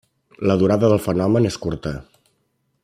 La durada del fenomen és curta.